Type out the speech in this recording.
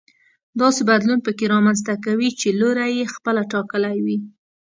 داسې بدلون پکې رامنځته کوي چې لوری يې خپله ټاکلی وي.